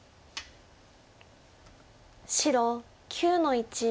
白９の一。